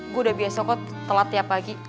gue udah biasa kok telat tiap pagi